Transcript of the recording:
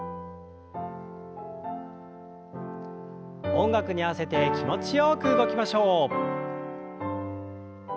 音楽に合わせて気持ちよく動きましょう。